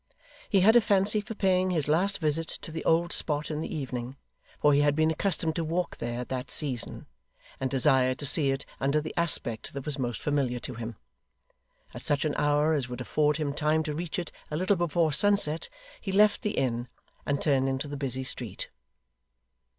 He had a fancy for paying his last visit to the old spot in the evening, for he had been accustomed to walk there at that season, and desired to see it under the aspect that was most familiar to him. At such an hour as would afford him time to reach it a little before sunset, he left the inn, and turned into the busy street.